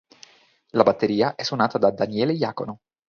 La batteria è suonata da Daniele Iacono.